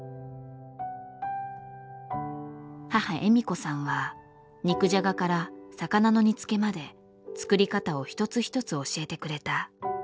母恵美子さんは肉じゃがから魚の煮つけまで作り方を一つ一つ教えてくれた。